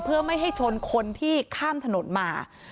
เพื่อไม่ให้ชนคนที่ข้ามถนนมา